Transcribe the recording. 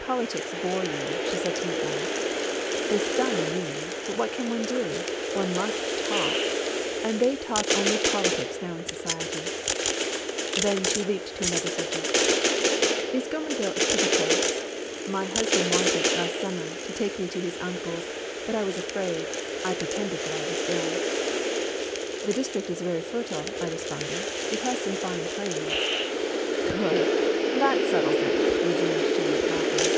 "Politics bore you," she said to me at last. "They stun me. But what can one do? — one must talk, and they talk only politics now in society." Then, she leaped to another subject. "Is Gommerville a pretty place? My husbaand want ed, last summer, to take me to his uncle's ; but I was afraid, I pretended that I was ill." " The district is very fertile," I responded. " It has some fine plains." " Good ! that settles it I " resumed she, laughing.